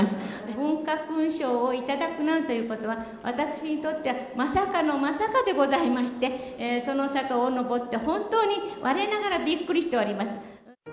文化勲章を頂くなんということは、私にとってはまさかのまさかでございまして、その坂を上って、本当にわれながらびっくりしております。